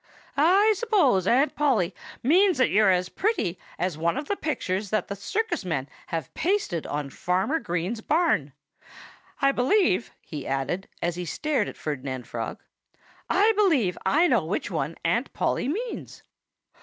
"I suppose Aunt Polly means that you're as pretty as one of the pictures that the circus men have pasted on Farmer Green's barn. ... I believe " he added, as he stared at Ferdinand Frog "I believe I know which one Aunt Polly means."